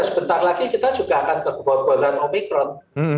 sebentar lagi kita juga akan kebobolan omikron